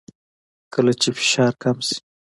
کله چې فشار کم شي